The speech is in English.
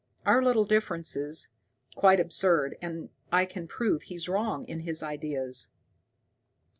"Our little differences quite absurd, and I can prove he's wrong in his ideas.